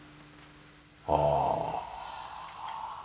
ああ。